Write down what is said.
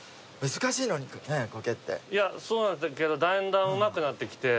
いやそうなんだけどだんだんうまくなってきて。